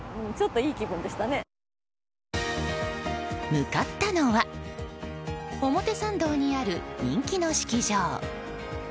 向かったのは表参道にある人気の式場。